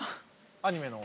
アニメの。